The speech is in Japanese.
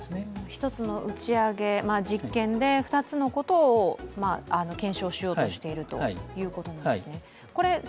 １つの打ち上げで、実験で２つのことを検証しようとしていてるということなんですね。